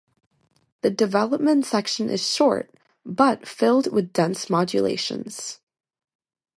The development section is short, but filled with dense modulations.